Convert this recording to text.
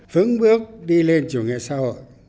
vững bước đi lên chủ nghĩa xã hội